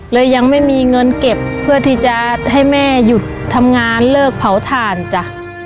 ยังไม่มีเงินเก็บเพื่อที่จะให้แม่หยุดทำงานเลิกเผาถ่านจ้ะ